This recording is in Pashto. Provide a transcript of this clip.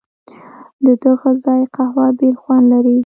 ددغه ځای قهوه بېل خوند لري.